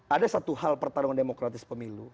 ada satu hal pertarungan demokratis pemilu